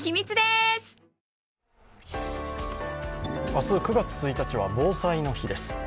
明日、９月１日は防災の日です。